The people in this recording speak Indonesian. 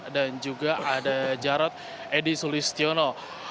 dan juga ada jarod edi sulistiono